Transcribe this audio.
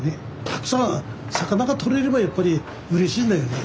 たくさん魚が取れればやっぱりうれしいんだよね。